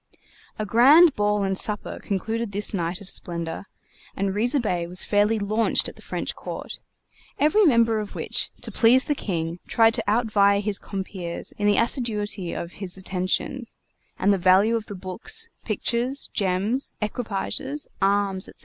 A grand ball and supper concluded this night of splendor, and Riza Bey was fairly launched at the French court; every member of which, to please the King, tried to outvie his compeers in the assiduity of his attentions, and the value of the books, pictures, gems, equipages, arms, &c.